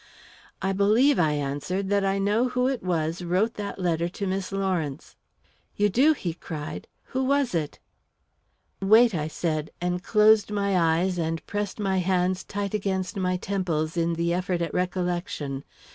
"I believe," I answered, "that I know who it was wrote that letter to Miss Lawrence." "You do!" he cried. "Who was it?" "Wait!" I said, and closed my eyes and pressed my hands tight against my temples in the effort at recollection.